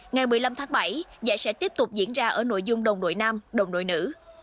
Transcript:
ngày một mươi năm tháng bảy giải sẽ tiếp tục diễn ra ở nội dung đồng đội nam đồng đội nữ